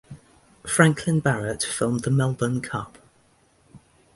Franklyn Barrett filmed the Melbourne Cup.